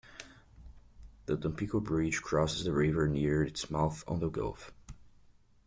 The Tampico Bridge crosses the river near its mouth on the Gulf.